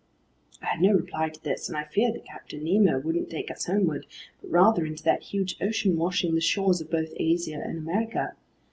I had no reply to this, and I feared that Captain Nemo wouldn't take us homeward but rather into that huge ocean washing the shores of both Asia and America.